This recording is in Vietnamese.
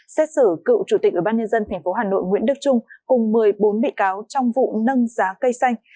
xét xử cựu chủ tịch ủy ban nhân dân tp hà nội nguyễn đức trung cùng một mươi bốn bị cáo trong vụ nâng giá cây xanh